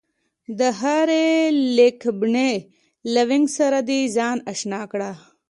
د هرې لیکبڼې له وينګ سره دې ځان اشنا کړي